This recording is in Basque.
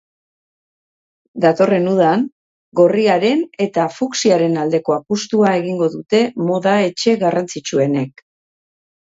Datorren udan gorriaren eta fuksiaren aldeko apustua egingo dute moda etxe garrantzitsuenek.